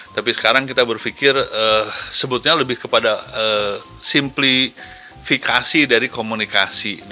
tapi sekarang kita berpikir sebutnya lebih kepada simplifikasi dari komunikasi